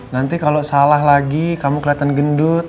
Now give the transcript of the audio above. nanti kalau salah lagi kamu kelihatan gendut